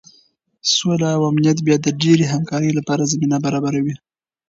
سوله او امنیت بیا د ډیرې همکارۍ لپاره زمینه برابروي.